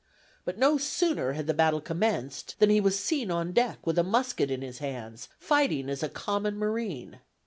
But no sooner had the battle commenced, than he was seen on deck, with a musket in his hands, fighting as a common marine.